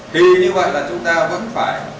thì như vậy là chúng ta vẫn phải